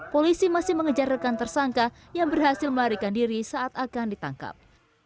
polisi masih mengejar rekan tersangka yang berhasil melarikan diri saat akan ditangkap